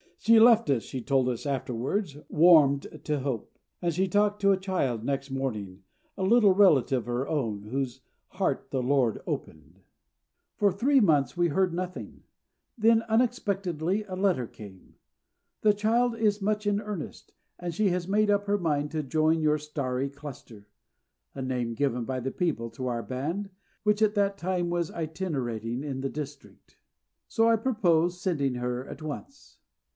She left us, she told us afterwards, warmed to hope; and she talked to a child next morning, a little relative of her own, whose heart the Lord opened. For three months we heard nothing; then unexpectedly a letter came. "The child is much in earnest, and she has made up her mind to join your Starry Cluster" (a name given by the people to our band, which at that time was itinerating in the district), "so I purpose sending her at once."